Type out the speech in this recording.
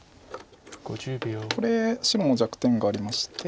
これ白も弱点がありまして。